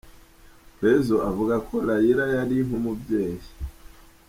Prezzo avuga ko Raila yari nkumubyeyi.